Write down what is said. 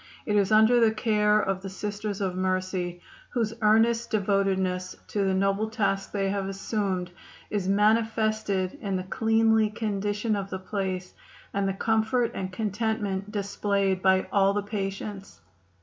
It is under the care of the Sisters of Mercy, whose earnest devotedness to the noble task they have assumed is manifested in the cleanly condition of the place and the comfort and contentment displayed by all the patients.